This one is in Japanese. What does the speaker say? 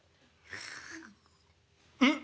「うん？